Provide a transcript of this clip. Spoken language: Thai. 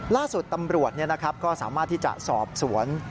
ล่าสุดตำรวจก็สามารถที่จะสอบสวน